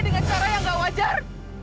dengan cara yang gak wajar